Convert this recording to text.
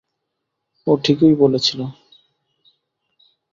ও ঠিকই বলেছিল।